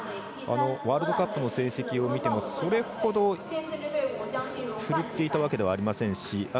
ワールドカップの成績を見てもそれほど、ふるっていたわけではありませんし。